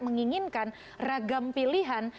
menginginkan ragam pilihan